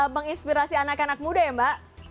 menginspirasi anak anak muda ya mbak